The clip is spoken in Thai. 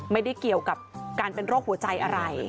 ไม่ได้เกี่ยวกับการเป็นโรคหัวใจอะไร